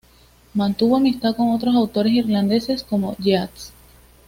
Mantuvo amistad con otros autores irlandeses, como Yeats.